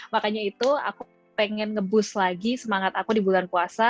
makanya itu aku pengen nge boost lagi semangat aku di bulan puasa